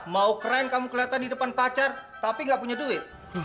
mau keren kamu kelihatan di depan pacar tapi gak punya duit